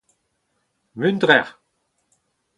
muntrer !